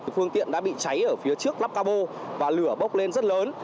phương tiện đã bị cháy ở phía trước lắp cabo và lửa bốc lên rất lớn